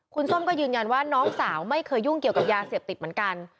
คุณส้มก็ยืนยันว่าน้องสาวไม่เคยยุ่งเกี่ยวกับยาเสพติดเหมือนกัน